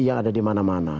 yang ada dimana mana